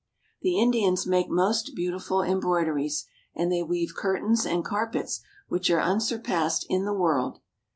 The Indians make most beautiful embroideries, and they weave curtains and carpets which are unsurpassed in the world.